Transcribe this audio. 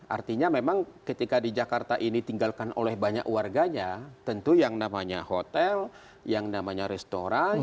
artinya memang ketika di jakarta ini tinggalkan oleh banyak warganya tentu yang namanya hotel yang namanya restoran